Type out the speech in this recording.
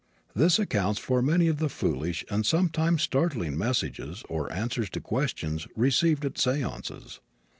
This accounts for many of the foolish, and sometimes startling messages, or answers to questions, received at seances.